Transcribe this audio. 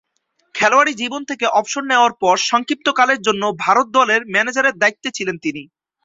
খেলোয়াড়ী জীবন থেকে অবসর নেয়ার পর সংক্ষিপ্তকালের জন্য ভারত দলের ম্যানেজারের দায়িত্বে ছিলেন তিনি।